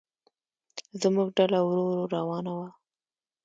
زموږ ډله ورو ورو روانه وه.